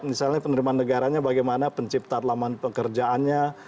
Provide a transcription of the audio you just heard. misalnya penerimaan negaranya bagaimana pencipta alaman pekerjaannya